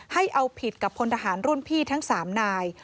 ให้เอาผิดกับพลทหารรุ่นพี่ทั้ง๓นาย